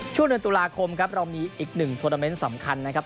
ช่วงเดือนตุลาคมครับเรามีอีกหนึ่งโทรเมนต์สำคัญนะครับ